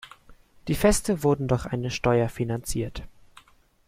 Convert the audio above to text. Die Feste wurden durch eine Steuer finanziert.